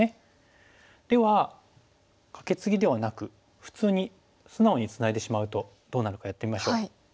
ではカケツギではなく普通に素直にツナいでしまうとどうなるかやってみましょう。